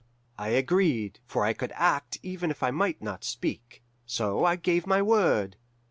"I agreed, for I could act even if I might not speak. So I gave my word.